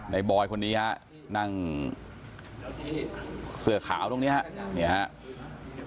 นายบอยคนนี้นั่งเสื้อขาวตรงนี้นี่ครับ